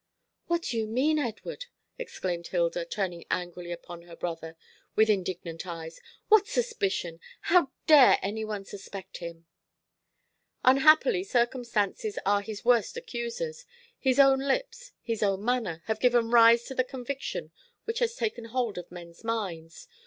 "What do you mean, Edward?" exclaimed Hilda, turning angrily upon her brother, with indignant eyes. "What suspicion? How dare any one suspect him?" "Unhappily, circumstances are his worst accusers. His own lips, his own manner, have given rise to the conviction which has taken hold of men's minds.